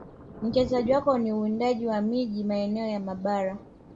Mchezo wako ni uwindaji wa miji maeneo na mabara